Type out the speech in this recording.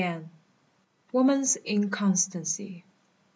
2. WOMAN'S INCONSTANCY.